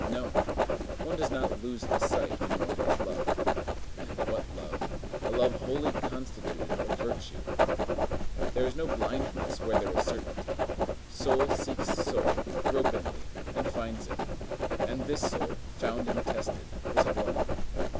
No. One does not lose the sight when one has love. And what love! A love wholly constituted of virtue! There is no blindness where there is certainty. Soul seeks soul, gropingly, and finds it. And this soul, found and tested, is a woman.